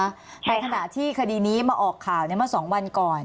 ใช่ค่ะในขณะที่คดีนี้มาออกข่าวเนี่ยมาสองวันก่อน